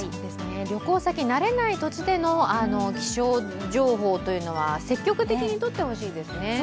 旅行先、慣れない土地での気象情報は積極的にとってほしいですね。